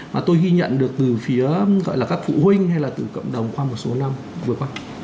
mà tôi ghi nhận được từ phía gọi là các phụ huynh hay là từ cộng đồng qua một số năm vừa qua